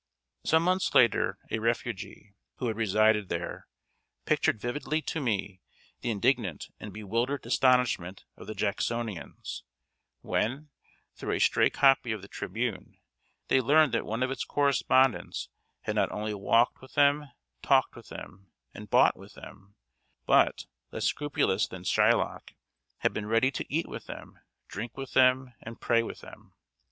Some months later, a refugee, who had resided there, pictured vividly to me the indignant and bewildered astonishment of the Jacksonians, when, through a stray copy of The Tribune, they learned that one of its correspondents had not only walked with them, talked with them, and bought with them, but, less scrupulous than Shylock, had been ready to eat with them, drink with them, and pray with them.